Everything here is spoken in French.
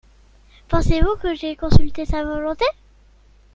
Pensez-vous que j’aie consulté sa volonté ?